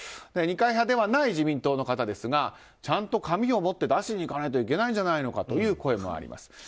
二階派ではない自民党の方ですがちゃんと紙を持って出しに行かないといけないんじゃないのかという声もあります。